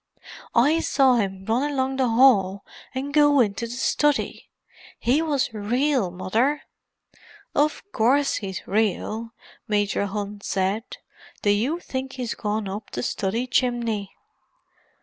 "I saw him run along the hall and go into the study. He was real, Mother!" "Of course he's real," Major Hunt said. "Do you think he's gone up the study chimney?"